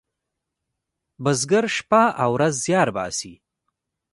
بزگر شپه او ورځ زیار باسي.